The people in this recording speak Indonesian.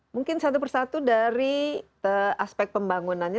mungkin satu persatu dari aspek pembangunannya